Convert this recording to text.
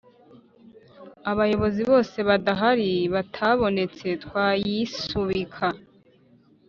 Abayobozi bose badahari batabonetse twayisubika